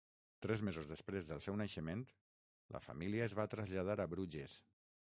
Tres mesos després del seu naixement, la família es va traslladar a Bruges.